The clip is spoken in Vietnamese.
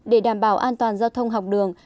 để đảm bảo an toàn giao thông học đường